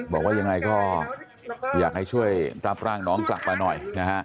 บอกว่ายังไงก็อยากให้ช่วยรับร่างน้องกลับมาหน่อยนะฮะ